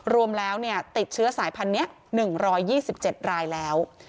รวมแล้วติดเชื้อสายพันธุ์นี้๑๒๗รายแล้ว